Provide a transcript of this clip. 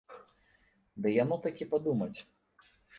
Ды яно такі падумаць!